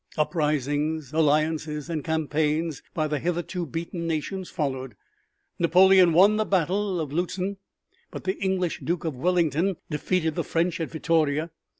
Uprisings, alliances and campaigns by the hitherto beaten nations followed. Napoleon won the battle of Lutzen, but the English Duke of Wellington defeated the French at Vittoria.